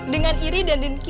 dengan iri dan dengki